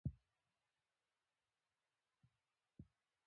دوی وویل چې قبر یې لا هم شته.